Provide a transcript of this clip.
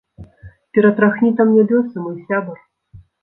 Ператрахні там нябёсы, мой сябар.